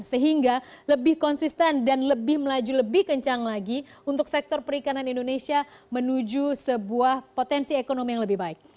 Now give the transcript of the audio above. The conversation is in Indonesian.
sehingga lebih konsisten dan lebih melaju lebih kencang lagi untuk sektor perikanan indonesia menuju sebuah potensi ekonomi yang lebih baik